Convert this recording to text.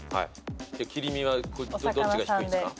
切り身はどっちが低いっすか？